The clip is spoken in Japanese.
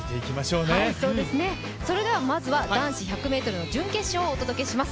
まずは男子１００ｍの準決勝をお届けします。